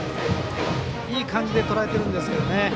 いい感じでとらえてるんですけどね。